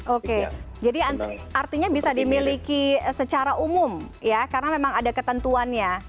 oke jadi artinya bisa dimiliki secara umum ya karena memang ada ketentuannya